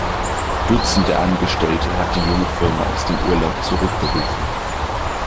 Dutzende Angestellte hat die junge Firma aus dem Urlaub zurückgerufen.